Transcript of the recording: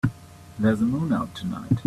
There's a moon out tonight.